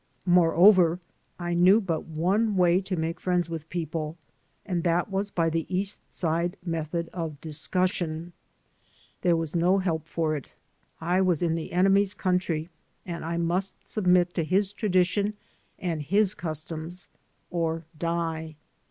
Moreover, I knew but one way to make friends with people, and that was by the East Side method of discussion. There was no help for it; I was in the enemy's country and I must submit to his tradition and his customs or die.